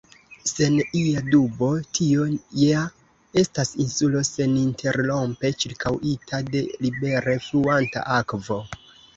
Sen ia dubo, tio ja estas insulo, seninterrompe ĉirkaŭita de libere fluanta akvo.